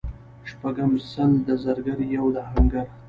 شپږم:سل د زرګر یوه د اهنګر